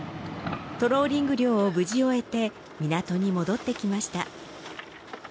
トローリング漁を無事終えて港に戻ってきました。